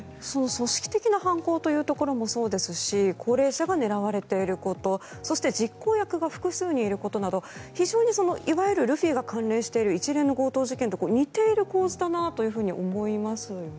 組織的な犯行というところもそうですし高齢者が狙われていることそして実行役が複数人いることなど非常にいわゆる、ルフィが関連している一連の強盗事件と似ている構図だなと思いますよね。